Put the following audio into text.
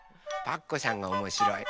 パクこさんがおもしろい。